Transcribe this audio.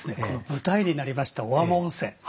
この舞台になりました小天温泉